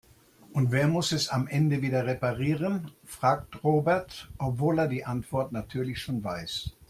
Und wer muss es am Ende wieder reparieren?, fragt Robert, obwohl er die Antwort natürlich schon weiß.